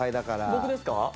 僕ですか？